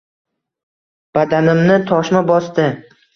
Badanimni toshma bosdi.